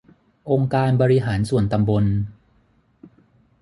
องค์การบริหารส่วนตำบล